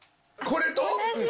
これと？